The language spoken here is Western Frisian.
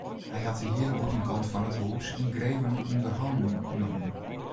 Hy hat de hiele bûtenkant fan it hûs yngreven ûnder hannen nommen.